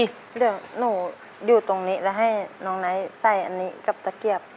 เดี๋ยวหนูอยู่ตรงนี้แล้วให้น้องไนท์ใส่อันนี้กับตะเกียบ